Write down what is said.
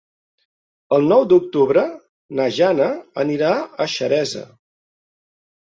El nou d'octubre na Jana anirà a Xeresa.